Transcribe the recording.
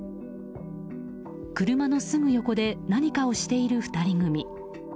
車のすぐ横で何かをしている２人組。